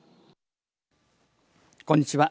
こんにちは。